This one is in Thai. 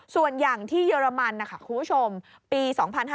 ส่วนอย่างที่เยอรมันนะคะคุณผู้ชมปี๒๕๕๙